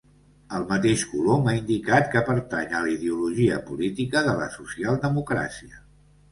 El mateix Colom ha indicat que pertany a la ideologia política de la socialdemocràcia.